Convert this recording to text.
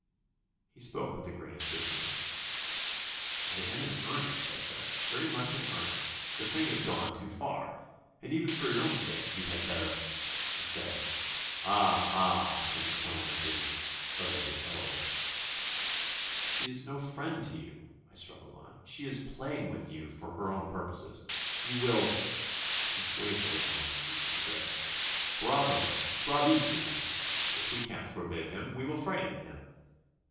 He spoke with the greatest good humour. "I am in earnest," I said; "very much in earnest. The thing has gone too far, and even for your own sake, you had better ..." He said "Ah, ah!" in the tone of his "Oh, oh!" "She is no friend to you," I struggled on, "she is playing with you for her own purposes; you will ..." He swayed a little on his feet and said: "Bravo ... bravissimo. If we can't forbid him, we will frighten him.